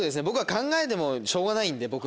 僕は考えてもしょうがないんで。